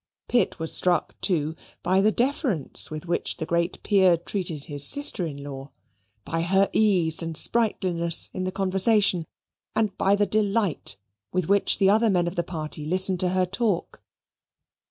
Pitt was struck too by the deference with which the great Peer treated his sister in law, by her ease and sprightliness in the conversation, and by the delight with which the other men of the party listened to her talk.